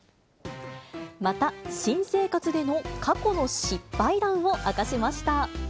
また新生活での過去の失敗談を明かしました。